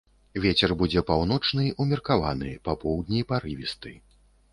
Вецер будзе паўночны, умеркаваны, па поўдні парывісты.